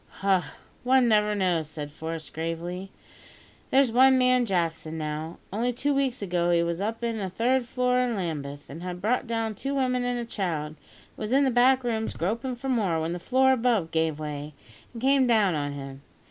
"Ah! one never knows," said Forest gravely. "There's one man Jackson, now, only two weeks ago he was up in a third floor in Lambeth, and had brought down two women and a child, and was in the back rooms groping for more, when the floor above gave way and came down on him.